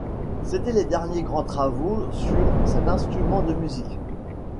C’était les derniers grands travaux sur cet instrument de musique.